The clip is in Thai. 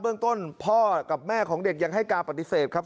เรื่องต้นพ่อกับแม่ของเด็กยังให้การปฏิเสธครับ